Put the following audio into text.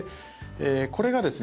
これがですね